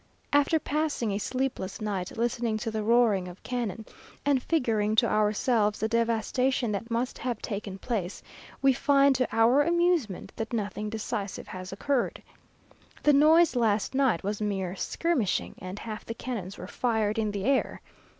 After passing a sleepless night, listening to the roaring of cannon, and figuring to ourselves the devastation that must have taken place, we find to our amusement that nothing decisive has occurred. The noise last night was mere skirmishing, and half the cannons were fired in the air.